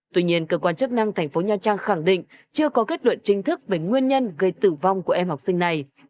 tuy nhiên cơ quan chức năng thành phố nha trang khẳng định chưa có kết luận chính thức về nguyên nhân gây tử vong của em học sinh này